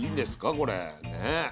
これね。